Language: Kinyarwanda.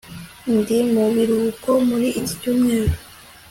Ndi mu biruhuko muri iki cyumweru